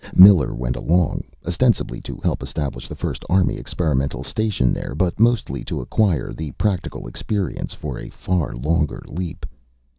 Miller went along, ostensibly to help establish the first Army experimental station there, but mostly to acquire the practical experience for a far longer leap.